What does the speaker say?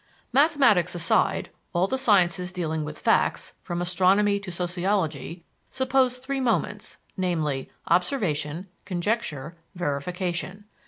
Mathematics aside, all the sciences dealing with facts from astronomy to sociology suppose three moments, namely, observation, conjecture, verification.